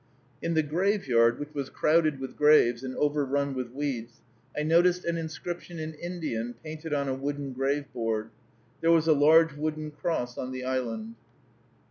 In the graveyard, which was crowded with graves, and overrun with weeds, I noticed an inscription in Indian, painted on a wooden grave board. There was a large wooden cross on the island.